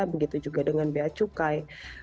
begitu juga dengan beacukai